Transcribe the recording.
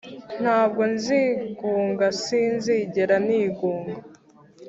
Ntabwo nzigunga, Sinzigera nigunga,